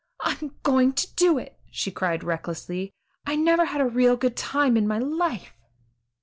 "I'm going to do it," she cried recklessly; "I never had a real good time in my life."